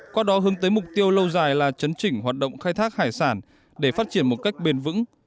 qua đó hướng tới mục tiêu lâu dài là chấn chỉnh hoạt động khai thác hải sản để phát triển một cách bền vững